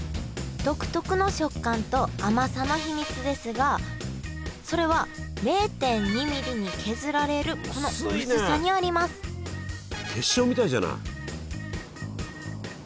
独特の食感と甘さの秘密ですがそれは０．２ミリに削られるこの薄さにあります結晶みたいじゃない。